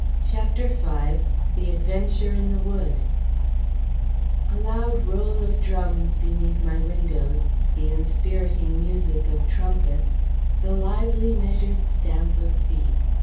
CHAPTER V THE ADVENTURE IN THE WOOD A loud roll of drums beneath my windows, the inspiriting music of trumpets, the lively measured stamp of feet.